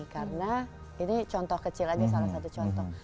karena ini contoh kecil aja salah satu contoh